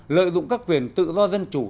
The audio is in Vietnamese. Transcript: lợi dụng các quyền tự do dân chủ